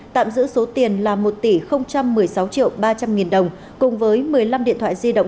tạm giữ số tiền là một tỷ một mươi sáu triệu ba trăm linh nghìn đồng cùng với một mươi năm điện thoại di động